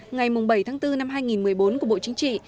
ngày bảy tháng bốn năm hai nghìn một mươi bốn của bộ chính trị